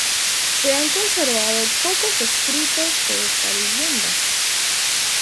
Se han conservado pocos escritos de esta leyenda.